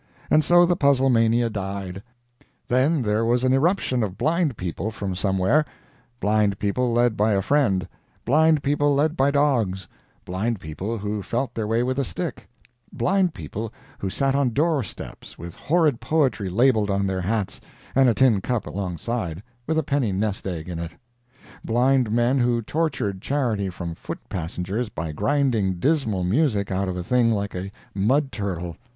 And so the puzzle mania died. Then there was an irruption of blind people from somewhere. Blind people led by a friend; blind people led by dogs; blind people who felt their way with a stick; blind people who sat on doorsteps with horrid poetry labelled on their hats, and a tin cup alongside, with a penny nest egg in it; blind men who tortured charity from foot passengers by grinding dismal music out of a thing like a mud turtle.